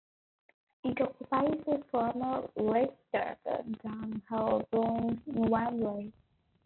It occupies the former listed Brent Town Hall building in Wembley.